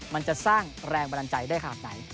มันจะสร้างแรงบันดาลใจได้ขนาดไหน